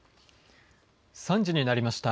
３時になりました。